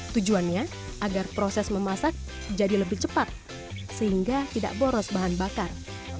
tujuannya agar proses memasak jadi lebih cepat sehingga tidak boros bahan bakar